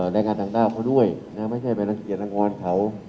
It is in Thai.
แรงงานต่างด้าวเขาด้วยไม่ใช่แบรนด์เกียรติดังงอนเขา